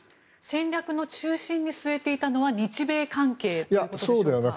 戦略の中心に据えていたのは日米関係ということでしょうか。